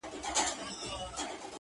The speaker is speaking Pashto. د ښايستونو خدایه اور ته به مي سم نيسې؟